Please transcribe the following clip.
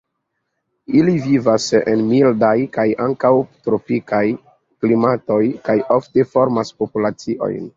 Ili vivas en mildaj kaj ankaŭ tropikaj klimatoj kaj ofte formas populaciojn.